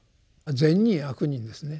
「善人」「悪人」ですね。